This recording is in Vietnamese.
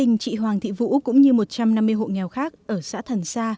gia đình chị hoàng thị vũ cũng như một trăm năm mươi hộ nghèo khác ở xã thần sa